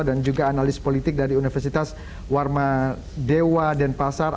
dan juga analis politik dari universitas warma dewa dan pasar